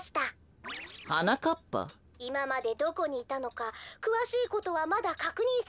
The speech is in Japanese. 「いままでどこにいたのかくわしいことはまだかくにんされていません」。